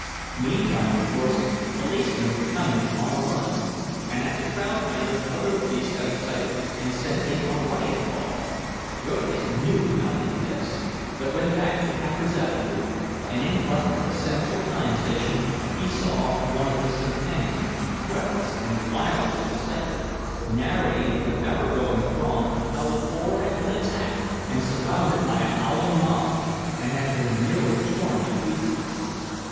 Meantime, of course, policemen were coming on a run, and as a crowd gathered other police got excited and sent in a riot call. Jurgis knew nothing of this, but went back to "Packers' Avenue," and in front of the "Central Time Station" he saw one of his companions, breathless and wild with excitement, narrating to an ever growing throng how the four had been attacked and surrounded by a howling mob, and had been nearly torn to pieces.